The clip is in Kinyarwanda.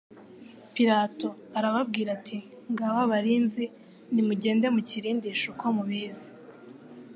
Pilato arababwira ati : "Ngaba abarinzi nimugende mukirindishe uko mubizi."